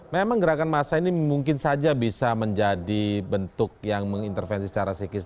memang gerakan massa ini mungkin saja bisa menjadi bentuk yang mengintervensi secara psikis